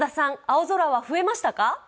青空は増えましたか？